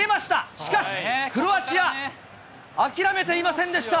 しかし、クロアチア、諦めていませんでした。